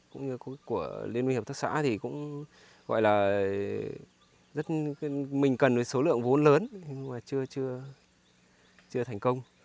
cũng như của liên minh hợp tác xã thì cũng gọi là mình cần số lượng vốn lớn nhưng mà chưa thành công